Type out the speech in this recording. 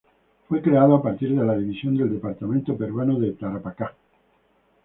Fue creado a partir de la división del departamento peruano de Tarapacá.